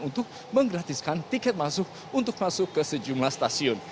untuk menggratiskan tiket masuk untuk masuk ke sejumlah stasiun